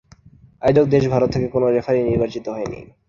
আয়োজক দেশ ভারত থেকে কোন রেফারি নির্বাচিত হয়নি।